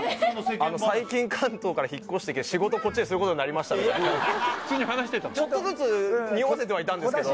あの最近関東から引っ越してきて仕事こっちですることになりましたみたいな普通に話してたの？